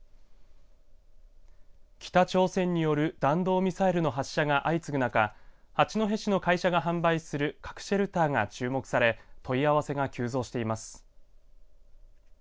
北朝鮮による弾道ミサイルの発射が相次ぐ中八戸市の会社が販売する核シェルターが注目され問い合わせが急増しています。